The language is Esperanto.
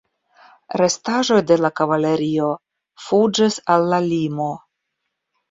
Restaĵoj de la kavalerio fuĝis al la limo.